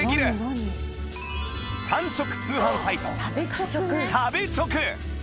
産直通販サイト食べチョク